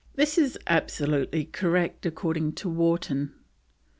This is absolutely correct, according to Wharton.